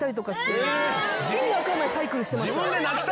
意味分かんないサイクルしてました。